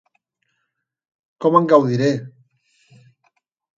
Com en gaudiré!